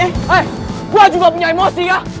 eh gue juga punya emosi ya